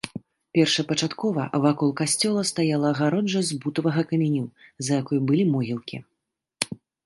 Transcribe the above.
Першапачаткова вакол касцёла стаяла агароджа з бутавага каменю, за якой былі могілкі.